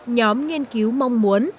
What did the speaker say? nhóm nghiên cứu mong muốn